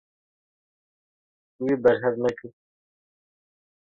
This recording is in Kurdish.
Wî berhev nekir.